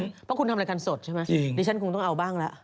เพราะว่าคุณทำรายการสดใช่หรือเปล่านี่ฉันคงต้องเอาบ้างล่ะ